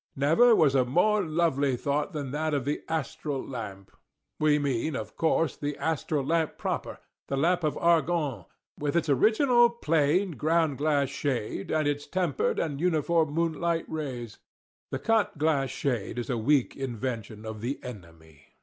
Never was a more lovely thought than that of the astral lamp. We mean, of course, the astral lamp proper—the lamp of Argand, with its original plain ground glass shade, and its tempered and uniform moonlight rays. The cut glass shade is a weak invention of the enemy.